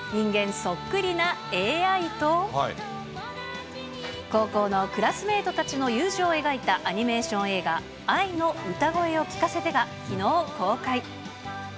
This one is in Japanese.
そっくりなＡＩと、高校のクラスメートたちの友情を描いたアニメーション映画、アイの歌声を聴かせてがきのう公開。